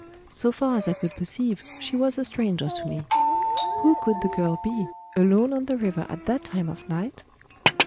So far as I could perceive she was a stranger to me. Who could the girl be, alone on the river at that time of night?